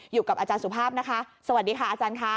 อยู่กับอาจารย์สุภาพนะคะสวัสดีค่ะอาจารย์ค่ะ